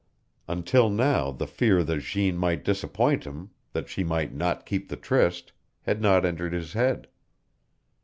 Until now the fear that Jeanne might disappoint him, that she might not keep the tryst, had not entered his head.